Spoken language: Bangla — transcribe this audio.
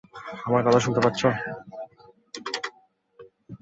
আমার কথা শুনতে পারছ?